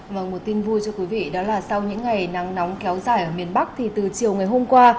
và một tin vui cho quý vị đó là sau những ngày nắng nóng kéo dài ở miền bắc thì từ chiều ngày hôm qua